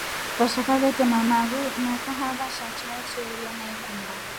Vashaka vetema maru na kahava sha chao chelya na ikumba.